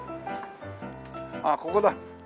あっここだ。